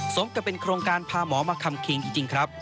สมกับเป็นโครงการพาหมอมาคำคิงจริงครับ